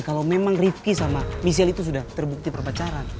kalau memang rifki sama michelle itu sudah terbukti perpacaran